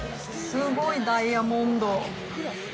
すごいダイヤモンド。